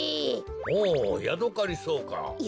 おヤドカリソウか。